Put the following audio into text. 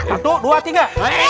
satu dua tiga